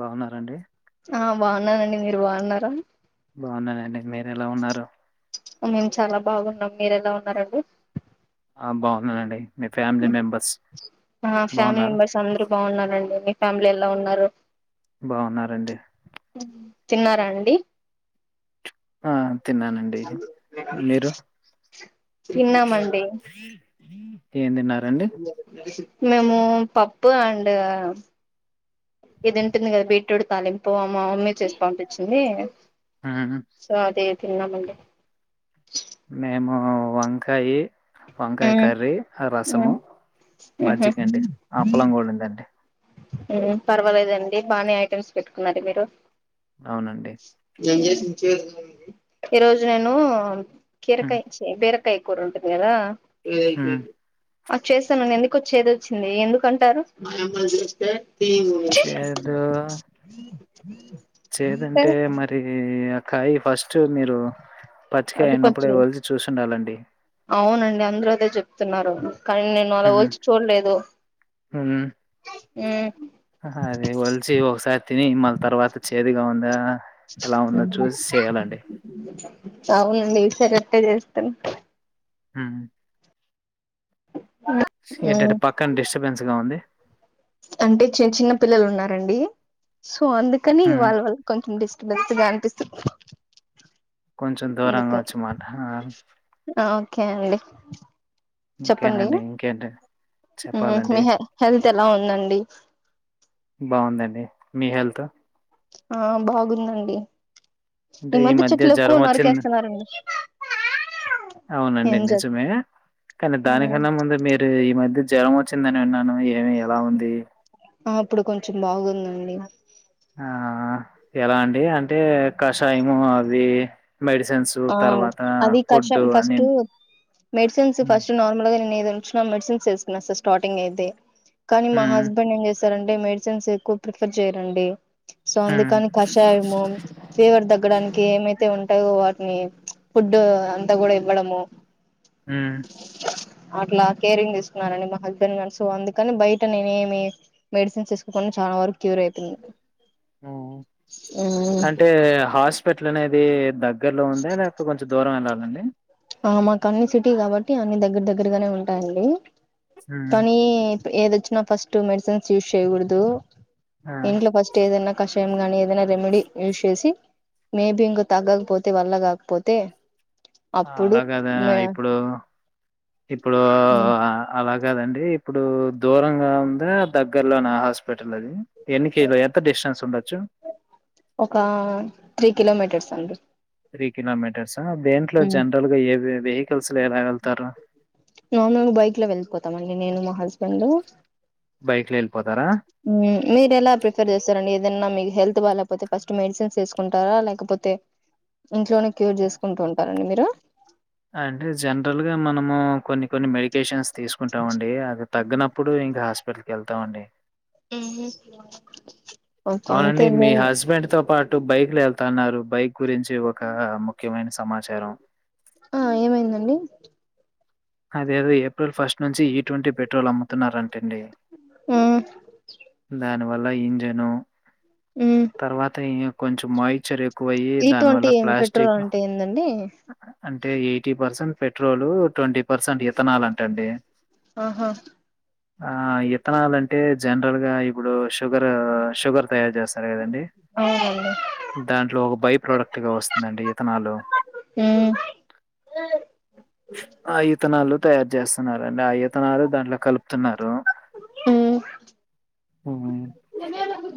బాగున్నార అండి ఆ బాగున్నానండి మీరు బాగున్నారా బాగున్నానండి మీర్ ఎలా ఉన్నారు మేము చాలా బాగున్నాం మీరు ఎలా ఉన్నారండి ఆ బాగున్నానండి మీ ఫ్యామిలీ హ్మ్మ్ మెంబర్స్ మా ఫ్యామిలీ బాగున్నారు మెంబెర్స్ అందరు బాగున్నారండి ఫ్యామిలీ ఎలా ఉన్నారు బాగున్నారండి తిన్నారా అండి ఆ తిన్నానండి మీరు తిన్నమండి ఏం తిన్నారండి [unintelligible] మేము పప్పు ఆండ్ ఇది ఉంటుంది కదా బీట్రూట్ తాలింపు మా మమ్మీ చేసి పంపించింది మ్మ్ సో అది తిన్నామండి మేము వంకాయి వంకాయ ఉమ్ కర్రీ రసము ఉమ్ ఉహు మజ్జిగ అండి అప్పలం కూడా ఉందండి హ్మ్మ్ పర్వాలేదండి బానే ఐటమ్స్ పెట్టుకున్నారు మీరు అవునండి ఈరోజు నేను మ్మ్ కీరకాయచ్చే బీరకాయ కూర ఉంటుంది కదా ఎ ఐపోంది మ్మ్ ఆ చేస్తామన్ ఎందుకు వచ్చేది వచ్చింది ఎందుకుంటారు ఏ చేదు చేదంటే మరి కాయ్ ఫస్ట్ మీరు పచ్చికయ అది అయినప్పుడే కొంచెం వలిసి చూసిండాలండి అందరు అదే చెప్తున్నారు కానీ నేను అలా మ్మ్ వల్చి చూడలేదు హుమ్ అదే వలిచి ఒకసారి తిని మళ్ళ తర్వాత చేదుగా ఉందా ఎలా ఉందో చూసి చేయాలండి. అవునండి విసర అట్టే చేస్తన్ హుమ్ ఏ టట మ్మ్ పక్కన డిస్టర్బెన్స్ గా ఉంది అంటే చిన్ చిన్న పిల్లలు ఉన్నారండి అందుకని హ్మ్. వాళ్ళ వాల్ కొంచెం స్ బెస్ట్ గా అనిపిస్తుంది కొంచెం దూరంగా అందుకు వచ్ మాట ఓకే అండి చెప్పండి ఇంకేనండి ఇంకేంటి మ్మ్ చెప్పాలండి మీ హె హెల్త్ ఎలా ఉందండి బాగుందండి మీ హెల్త్ త ఆ బాగుందండి అంటే ఈ మధ్య చెట్లు ఎక్కువ జ్వరం వచ్చింది నరికేస్తున్నారండి. అవునండి ఏం చేద్దాం నిజమే కానీ మ్మ్ దానికన్నా ముందే మీరు ఈ మధ్య జ్వలం వచ్ వచ్చిందని అన్నాను ఏమి ఎలా ఉంది ఆ అప్పుడు కొంచెం బాగుందండి ఆ ఎలా అండి అంటే కషాయము అవి మెడిసిన్స్ ఆ తర్వాత అది కష ఫుడ్డు అని ఫస్ట్ మెడిసిన్స్ హ్మ్. ఫస్ట్ నార్మల్ గనే నువ్వు యిచ్చిన మెడిసిన్స్ ఏసిన స్టాటింగ్ అయితే కానీ మా హ్మ్. హస్బెండ్ ఏం చేస్ నండి మెడిసిన్స్ ఎక్కువ ప్రిఫర్ చేయరండి సో హ్మ్ అందుకని కషాయము ఫీవర్ తగ్గడానికి ఏమైతే ఉం మీ ఫుడ్డు అంతా గూడా అంత ఇవ్వడము ఉ అట్లా కేరింగ్ దీసుకున్నానని మా హస్బెండ్ నీ సో అందుకని బయట నేనేమి మెడిసిన్స్ తీసుకోకుడా చాలా వరకు క్యూర్ అయితుంది ఉ అంటే హాస్పిటల్ దే ర లొ ఉందా లేక కొంచం దూరం వెళ్ళాలండి ఆ మాకు అన్ని సిటీ గాబట్టి అన్ని దగ్గర దగ్గరగానే ఉంటాయండి హ్మ్ కాని ఏదొచ్చినా ఫస్ట్టు మెడిసిన్స్ యూస్ చేయకూడదు ఆ ఇంట్లో ఫస్ట్ ఏదైనా కషాయం గాని ఏదైనా రెమెడీ యూజ్ చేసి మేబి అలాగదా ఇప్పుడు ఇప్పుడు అలాగ కాదండి ఇప్పుడు దూరంగా ఉందా దగ్గర్లోనే హాస్పిటల్ అది ఎన్నికిల ఎంత డిస్టెన్స్ ఉండచ్చు ఒక త్రీ కిలోమీటర్స్ అంతె త్రి కిలోమీటర్స్ దేంట్లో జనరల్ గా ఏ వెహికల్స్ లో ఎలా వెళ్తారు డు బైక్ లొ వెళ్ళపోతార ఉ మీరెలా ప్రిఫర్ చేస్తారండి ఏదన్న మీ హెల్త్ బాగాలేకపోతే ఫస్ట్ మెడిసిన్స్ వసుకుంటారా లేకపోతే ఇంట్లోనే క్యూర్ చేసుకుంటూ ఉంటారండి మీరు అంటే జనరల్ గా మనము కొన్ని కొన్ని మెడికషన్స్ తీసుకుంటాంమండి ల్కి యెళ్తామండి ఊహు అవునండి మీ హస్బెండ్ తో వెళ్తున్నారు బైక్ గురించి ఒక ముఖ్యమైన సమాచారం ఆ ఏమైందండి అదేది ఏప్రిల్ ఫస్ట్ నుంచి ఈ ట్వంటీ అంటే వాళ్ళమ్ముతున్నారంటండి ఉమ్ వాల్ల ఇంజను ఉమ్ తర్వాత ఇయ్య కొంచెం మాయచర్ ఈ ట్వంటీ ఎమ్ పెట్రోల్ అంటే ఏందండి అంటే eighty percent petrol twenty percent ఇతనాలు అంట అండి ఆహా ఆ ఇతనాళం అంటే జనరల్ గా ఇప్పుడు షుగర్ షుగర్ తయారు చేస్తారు కదండి అవునండి దాంట్లో ఒక బై ప్రోడక్ట్ గా వస్తుందండి ఈతనాలు ఇతనాలు తయారు చేస్ త్తున్నారు అండి ఆ ఇతనాలు దాంట్లో కలుపు తున్నారు మ్ ఆ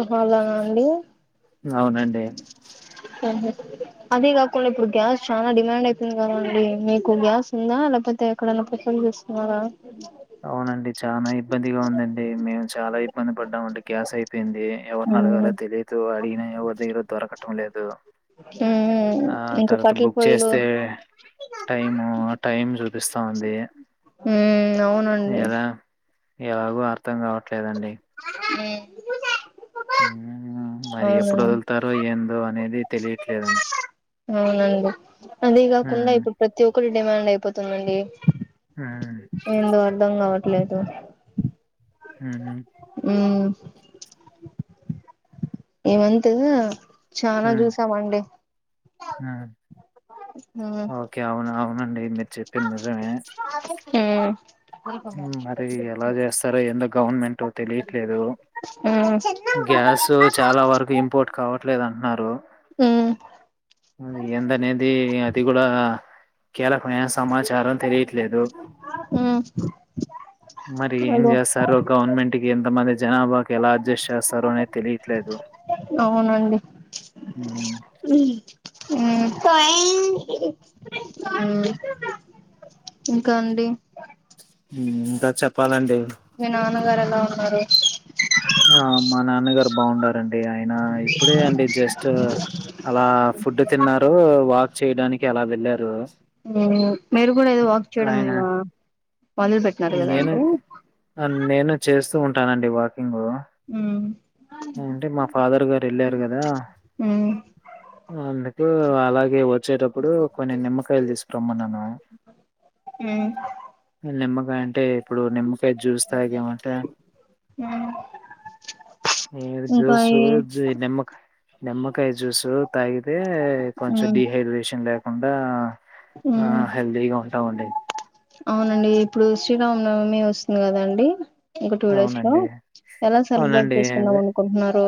ఓహొ అలానా అండి అవునండి ఉహుమ్ అదే కాకుండా, ఇప్పుడు గ్యాస్ చాలా డిమాండ్ అయితుంది. కదండి మీకు గ్యాస్ ఉందా లేకపోతే ఎక్కడైనా ప్రిఫర్ చేస్తున్నారా. అవునండి చాలా ఇబ్బందిగా ఉందండి మేము చాలా ఇ ఇబ్బంది పడ్డాము అండి గ్యాస్ అయిపేయింది ఎవరిని ఉమ్ అడగాలో తెలిదు అడిగినా ఎవరి దగ్గర దొరకటం, లేదు ఉమ్ ఆ ఇంకా తర్వాత కట్టెల బుక్ పొయ్యిలు చేస్తే టైము టైం చూపిస్తా వుంది. ఉమ్ అవునండి ఎలాగో అర్థం కావట్లేదండి మ్ మరి ఎప్పుడు వదులుతారో ఏందో అనేది తెలియట్లేదండి అవునండి హు ఫుల్ డిమాండ్ అయిపోతుందండి మ్ ట్లేదు ఉహు మ్ ఇ మంతు చానా హ్మ్. చూసామండి హ్మ్. ఆ ఓకే. అవును. అవునండి మీరు చెప్పింది నిజమే ఉమ్ మరి ఎలా చేస్తారో ఎందో గవర్నమెంటట్ తెలియట్లేదు, గ్యాస్ చాలా వరకు ఇంపోర్ట్ కావట్లేదు అంటున్నారు. మ్మ్ మ్మ్ మరి ఎందనేది అది కూడా కీలకమైన సమాచారం తెలియట్లేదు మ్మ్ మరి ఏం అదే చేస్తారు గవర్నమెంట్ కి ఇంత మంది జనాభాకి ఎలా అడ్జస్ట్ చేస్ స్తారో అనేది తెలియట్లేదు అవునండి హ్మ్ మ్ మ్ మ్ ఇంకా అండి మ్ ఇంకా చెప్పాలండి మీ నాన్నగారు ఎలా ఉన్నారు ఆ మా నాన్నగారు బాగున్నారండి ఆ ఆ ఇప్పుడే అండి జస్ట్ అలా ఫుడ్ తిన్నారు వాక్ చేయడానికి అలా వెళ్ళారు మ్ మీరు కూడా ఏదో వాక్ చేయడం ఆయన మా నేను ఆ నేను చేస్ ఉంటానండి వాకింగు మ్మ్ అంటే మా ఫాదర్ గారు ఏళ్ళారు కదా, మ్మ్ అందుకు అలాగే వచ్చేటప్పుడు కొన్ని నిమ్మకాయలు తీస్ రొమ్మన మ్ నిమ్మకాయ అంటే ఇప్పుడు నిమ్మకాయ జ్యూస్ తాగేమంటె మ్మ్ ఏ ఇంకా జ్యూసూ ఈ నిమ్మకా నిమ్మకాయ జ్యూసు తాగితే కొంచెం మ్మ్ డిహైడ్రేషన్ లేకుండా ఆ మ్మ్ హెల్దీగా ఉంటామ్ అండి అవునండి ఇప్పుడు శ్రీరామనవమి వస్తుంది కదండి ఇంక టూ డేస్ లో అవునండి. ఎలా సెలబ్రేట్ అవునండి. చేసుకుందాం అదే అనుకుంటున్నారు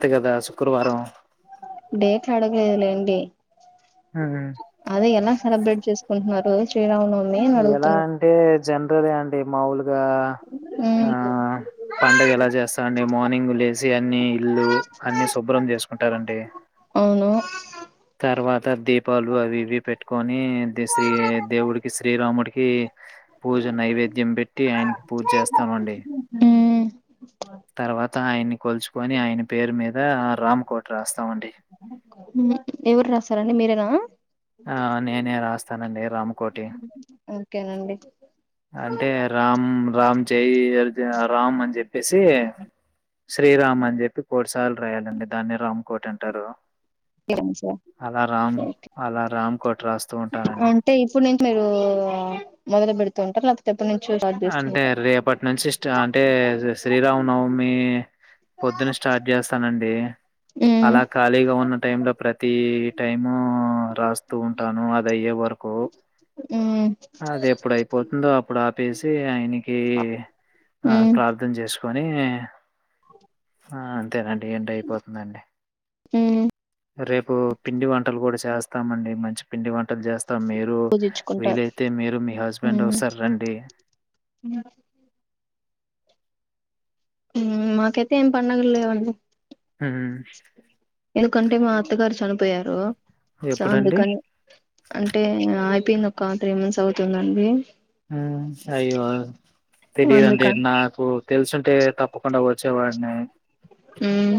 త్ కదా శుక్రవారం డేట్లు అడగలేదులేండి హ్మ్. అదే ఎలా సెలబ్రేట్ చేసుకుంటున్నారు శ్రీరామనవ ఎలా అంటే జెన్నరల్ ఏ టె మామూల్ ఇగా ఆ ఉమ్ పండుగ ఎలా చేస్తాండి మార్నింగ్ లేసి, అన్ని ఇల్లు అన్ని శుభ్రం చేసుకుంటారండి అవును తర్వాత దీపాలు అవి ఇవి పెట్టుకొని ని శ్రీ దేవుడికి శ్రీరాముడికి కి పూజ నైవేద్యం పెట్టి ఆయనకి పూజ చేస్తామండి ఉమ్ తర్వా ఆయన కొల్చుకొని ఆయన పేరు మీద రామకోటి రాస్తామండి ఎవరు రాసారండి మీరేనా ఆ నేనే రాస్తానండి రామకోటి. ఓకేనండి అంటే రామ్ రామ్ జై అర్జు రామ్ చెప్పేసి శ్రీరామ్ అని చెప్పి కోటి సార్లు రాయాలండి దాన్ని రామ్కోటి అంటారు అలారమ్ అలారమ్ అంటే ఇప్పుడు నుంచి మీరు మొదలు పెడుతు తుంటారు అంటే రేపటి నుంచి స్ అంటే శ్రీరామనవమి పొద్దున్న స్టార్ట్ చేస్తానండి ఉమ్ అలా ఖాళీగా ఉన్న టై లో ప్రతి టైము రాస్తూ ఉంటాను అది అయ్యే వరకు ఉమ్ అది ఎప్పుడు అయిపోతుందో అప్పుడు పేసి ఆయన కి ఆ ఉమ్ ప్రార్థన చేసుకు కొని [unintelligible] ఆ అంతేనండి ఎండ్ అయిపోతుందండి హు రేపు పిండి వంటలు కూడా చేస్తామండి మంచి పిండి వంటలు చేస్ స్తాము మీరు పూజించుకుంటారు వీలైతే మీరు మీ హస్బెండ్ ఓసారి రండి అ యూ మాకైతే ఏం పండగ లేవు ఉండి ఆ ఎందుకంటే మా అత్తగారు చనిపోయారు స ఎప్పుడండి? అందుకని అంటే పిన్ ఒక త్రీ మంత్స్ అవుతుందండి యు అయ్యో తెలియదండి అందుకని నాకు తెలుసుంటే తప్పకుండా వా వచ్చేవాన్ని ఉమ్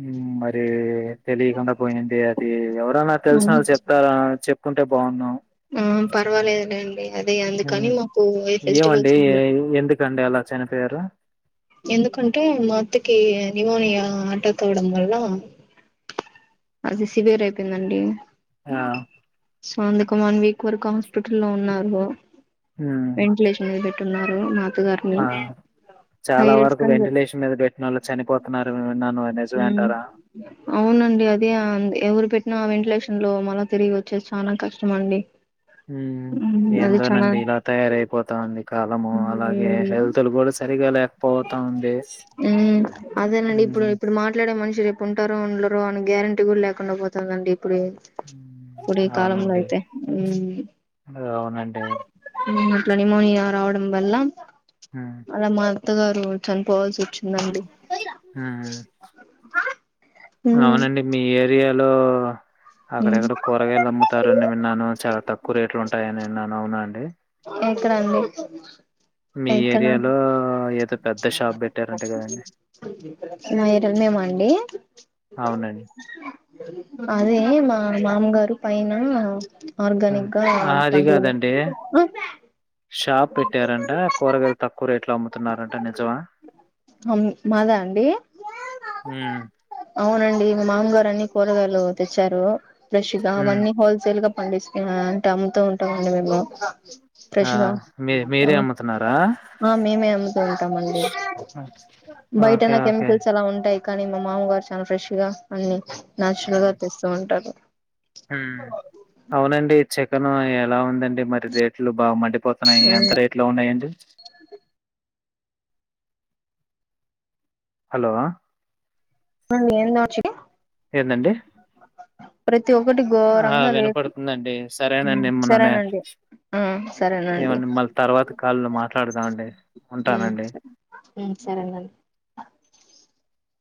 హు [unintelligible] తెలియకుండా పోయింది అది ఎవరన్నా తెలిసిన వాళ్ళు చెప్తారా చె కుంటే బాగున్ను హు పర్వాలేదు లేండి అదే అందుకని మాకు ఏ ఫెస్టివల్స్ కండి అలా చనిపోయారు ఎందుకంటే మాత్తకి న్యుమోనియా అటాక్ అవ్వడం వల్ల అది సివర్ అయిపోయిందండి ఆ సో అందుకు వన్ వీక్ వరకు హాస్పిటల్ లో ఉన్నారు ఉమ్ వెంటంటిలేషన్ టున్నారు నా ఆ చాలా వరకు అని చెప్ వెంటిలేషన్ మీద పెట్టిన వాళ్ళు చనిపోతున్నారు విన్నాను నిజమే హ అంటారా అవునండి అదే అంద ఎవరు పెట్టి వెంటిలేషన్ లో మళ్ళా తిరిగి వచ్చేసి చాలా కష్టం అండి ఉమ్ అది చానా ఎందోనండి ఇలా తయారయిపోతా ఉంది కాలము అలాగే ఉమ్ హెల్తులు కూడా సరిగా లే అదేనండి ఉమ్ ఇప్పుడు ఇప్పుడు మాట్లాడే మనిషి రేపు టార ఉండరు అని గ్యారెంటీ కూడా లేకుండా పోతుందండి ఇప్పుడ ఉమ్, ఇప్పుడ ఈ కాలంలో అవునండి అయితే అవునండి అట్లా నిన్మోనియా రావడం వల్ల ఉమ్ అలా మా అత్తగారు చనిపోవాల్సి వచ్చి హ్మ్ అవునండి మీ ఏరియా లో హ్మ్ అక్కడెక్కడ కూరగాయలు అమ్ముతారు తండిమే నాను చాలా తక్కువ రేట్లు ఉంటాయని విన్నాను అవునా అండి ఎక్కడ అండి మీ ఏరియాలో ఏదో పెద్ద షాప్ పెట్టారంట కదండి? నేరమేం అండి అవునండి. అదే మా మామగారు పైన ఆ! ఆర్గానిక్గా అహా! అది పంటలే కాదండి మ్మ్ షాప్ పెట్టారంట కూరగాయలు తక్కువ రేట్లు అమ్ తున్నారంట నిజమా హమ్ మాదా అండి హ్మ్. అవునండి మామగారు అని కూరగాయలు తెచ్చారు ఫ్రెష్ గా హ్మ్. అవన్నీ హోల్ సేల్గా పండిస్తిమ అంటే అమ్ముతూ ఉంటామండి మేము ఆ! ఫ్రెష్గా మీ మీరే అమ్ముతున్నారా? ఆ మేమే అమ్ముతూ ఉంటామండి ఓకే. బయటనా ఓకే. కెమికల్స్ అలా ఉం టాయ్ కానీ మా మామ గారు చానా ఫ్రెష్ గా అన్నీ నాచురల్ హ్మ్. గా తెస్తూ ఉంటారు అవునండి చికెన్ ఎలా ఉందండి మరి రేట్లు బా మండి పోతున్నాయి ఎంత రేట్ లో ఉన్నాయండి హలో నేనో చెప్ ఏందండి ప్రత ఆ వినపడుతుందండి మ్ సరేనండి మిమ్మల్నే సరేనండి ఆ ఏమ సరేనండి మిమ్మల్ని తర్వాత కాల్లో మాట్లాడుదామండి ఉంటానండి సరేనండి